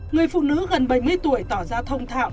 người phụ nữ gần bảy mươi tuổi tỏ ra thông thạo